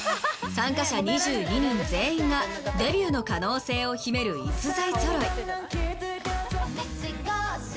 参加者２２人全員がデビューの可能性を秘める逸材ぞろい。